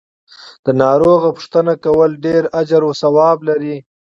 د ناروغ پو ښتنه کول ډیر اجر او ثواب لری .